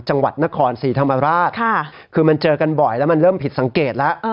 จังหวัดนครศรีธรรมราชคือมันเจอกันบ่อยแล้วมันเริ่มผิดสังเกตแล้ว